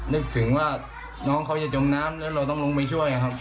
นึกถึงว่าน้องเขาจะจมน้ำแล้วเราต้องลงไปช่วยครับ